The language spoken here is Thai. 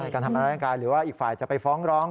การทำร้ายร่างกายหรือว่าอีกฝ่ายจะไปฟ้องร้อง